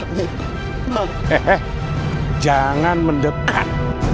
hehehe jangan mendekat